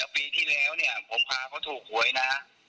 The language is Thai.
ปีที่แล้วเนี่ยผมพาเขาถูกหวยนะ